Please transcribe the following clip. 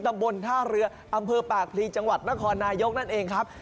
ตำบลท่าเรืออำเภอปากพลีจังหวัดนครนายกนั่นเองครับ